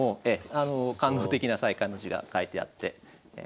感動的な「再刊」の字が書いてあって。